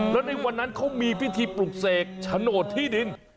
แล้วในวันนั้นเขามีพิธีปลุกเสกโฉนดที่ดิน